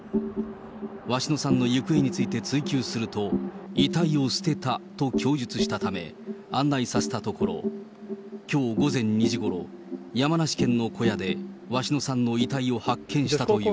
鷲野さんの行方について追及すると、遺体を捨てたと供述したため、案内させたところ、きょう午前２時ごろ、山梨県の小屋で鷲野さんの遺体を発見したという。